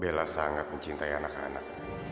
bella sangat mencintai anak anak